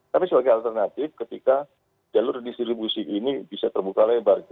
tapi sebagai alternatif ketika jalur distribusi ini bisa terbuka lebar